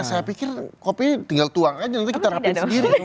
saya pikir kopi tinggal tuang aja nanti kita rapim sendiri